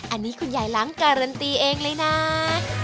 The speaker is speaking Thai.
อันนี้คุณยายล้างการันตีเองเลยนะ